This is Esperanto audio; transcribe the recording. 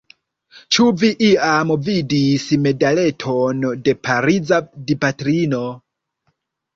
Ĉu vi iam vidis medaleton de Pariza Dipatrino?